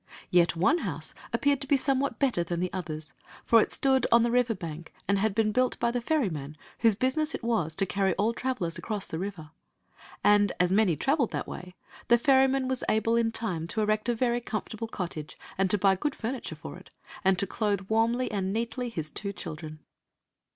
Yet one house appeared to be somewhat better than the others, for it stood on the river bank and had been built by the ferryman whose business it was to carry all trav elers across the river. And, as many traveled that way, the ferryman was able in time to erect a very comfortable cottage, and to buy good furniture for it, and to clothe yrarmly and neatly his two children.